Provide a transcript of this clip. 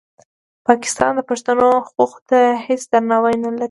پاکستان د پښتنو حقوقو ته هېڅ درناوی نه لري.